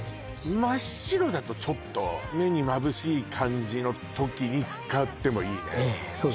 真っ白だとちょっと目にまぶしい感じの時に使ってもいいねええ